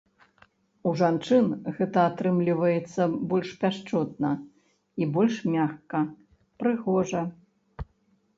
У жанчын гэта атрымліваецца больш пяшчотна і больш мякка, прыгожа.